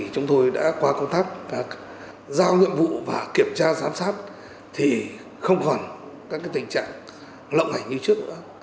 chúng tôi đã qua công tác giao nhiệm vụ và kiểm tra giám sát thì không còn các tình trạng lộng hành như trước nữa